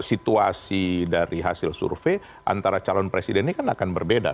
situasi dari hasil survei antara calon presiden ini kan akan berbeda